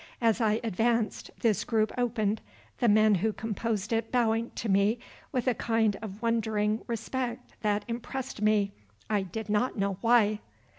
As I advanced this group opened, the men who composed it bowing to me with a kind of wondering respect that impressed me, I did not know why.